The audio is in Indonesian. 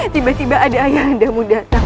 tiba tiba ada ayah andamu datang